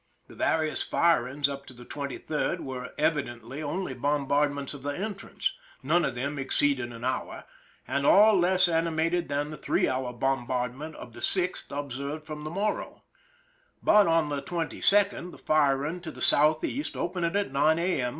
The various firings up to the 23d were evidently only bombardments of the entrance, none of them exceeding an hour, and all less animated than the three hour bombardment of the 6th ob served from the Morro. But on the 22d the firing to the southeast, opening at 9 a. m.